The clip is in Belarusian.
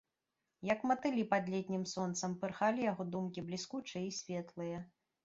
Як матылі пад летнім сонцам, пырхалі яго думкі, бліскучыя і светлыя.